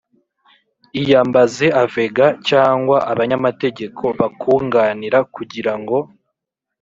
iyambaze avega cyangwa abanyamategeko bakunganira kugira ngo :